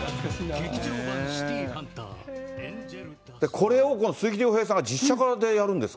これを鈴木亮平さんが実写化でやるんですか？